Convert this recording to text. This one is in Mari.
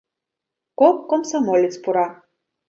Кок комсомолец пура.